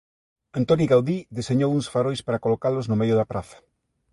Antoni Gaudí deseñou uns farois para colocalos no medio da praza.